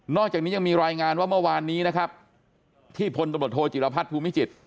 นอกจากนี้ยังมีรายงานว่าเมื่อวานนี้นะครับที่ผลตำรสบุรณิโธหจิลพรรดิภูมิจิตร